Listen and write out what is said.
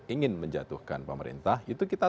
ingin menjatuhkan pemerintah itu kita